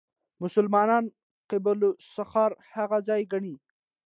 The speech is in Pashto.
مسلمانان قبه الصخره هغه ځای ګڼي.